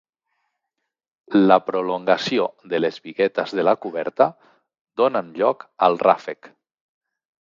La prolongació de les biguetes de la coberta donen lloc al ràfec.